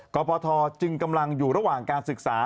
กปทจึงกำลังอยู่ระหว่างการศึกษา